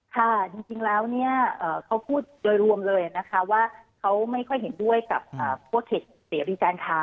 ค่ะจริงแล้วเขาพูดโดยรวมเลยว่าเขาไม่ค่อยเห็นด้วยกับพวกเขตเปรียบรีจานค้า